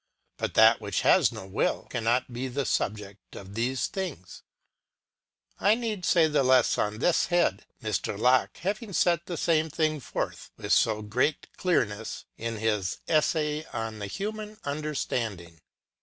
But that which has no will, cannot be the subject of these things. ŌĆö I need say the less on this head, Mr. Locke having set the same thing forth with so great clearness in his " Essay on the Human Understanding."